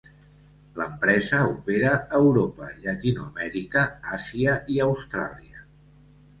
L'empresa opera a Europa, Llatinoamèrica, Àsia i Austràlia.